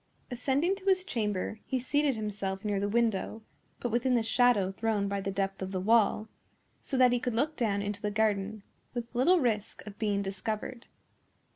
Ascending to his chamber, he seated himself near the window, but within the shadow thrown by the depth of the wall, so that he could look down into the garden with little risk of being discovered.